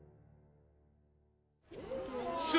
す